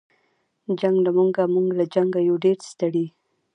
جنګ له موږه موږ له جنګه یو ډېر ستړي